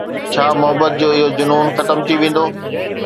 ڇا محبت جو اهو جنون ختم ٿي ويندو؟